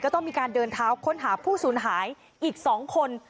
ต้องมีการเดินเท้าค้นหาผู้สูญหายอีก๒คน